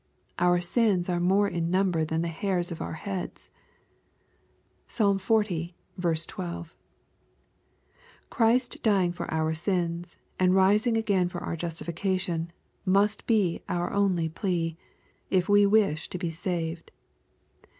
Our sins are more in number than the hairs of our heads. (Psalm xl. 12.) Christ dying for our sins, and ribing again for our justification, must be our only plea, if we wish to be saved.